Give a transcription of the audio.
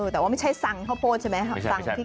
แต่ว่าไม่ใช่สั่งข้าวโพดใช่ไหม